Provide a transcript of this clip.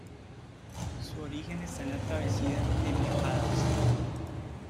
Su origen está en la travesía de Miajadas.